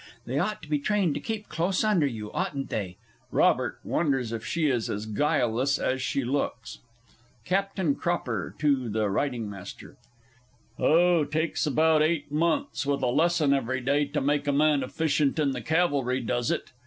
They ought to be trained to keep close under you, oughtn't they? [ROBERT wonders if she is as guileless as she looks.] CAPT. CROPPER (to the R. M.) Oh, takes about eight months, with a lesson every day, to make a man efficient in the Cavalry, does it?